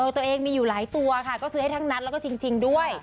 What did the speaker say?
ตัวเองมีหลายตัวก็ซื้อให้ทั้งนัทและก็ชิงด้วย